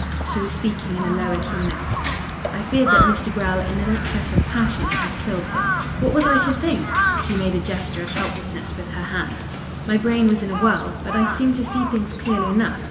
She was speaking in a lower key now. "I feared that Mr. Grell in an excess of passion had killed him. What was I to think?" She made a gesture of helplessness with her hands. "My brain was in a whirl, but I seemed to see things clearly enough.